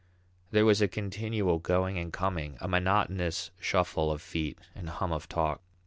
There was a continual going and coming, a monotonous shuffle of feet and hum of talk.